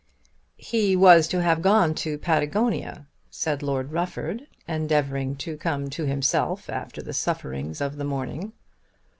"He was to have gone to Patagonia," said Lord Rufford, endeavouring to come to himself after the sufferings of the morning.